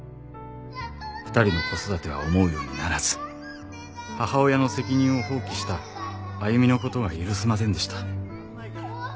「二人の子育ては思うようにならず母親の責任を放棄したあゆみのことが許せませんでした」